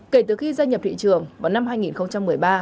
kể từ khi gia nhập thị trường vào năm hai nghìn một mươi ba